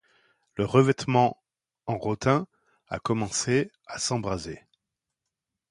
Le revêtement en rotin a commencé à s'embraser.